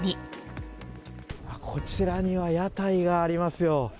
こちらには屋台がありますよ。